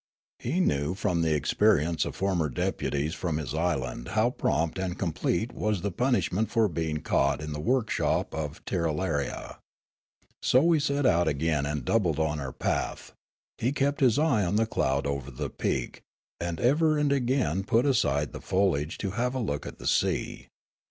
He knew from the experience of former deputies from his island how prompt and complete was the punish ment for being caught in the workshop of Tirralaria. So we set out again and doubled on our path ; he kept his eye on the cloud over the peak, and ever and again put aside the foliage to have a look at the sea.